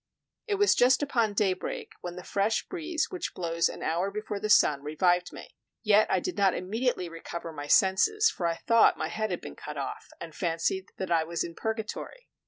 It was just upon daybreak, when the fresh breeze which blows an hour before the sun revived me; yet I did not immediately recover my senses, for I thought my head had been cut off, and fancied that I was in purgatory.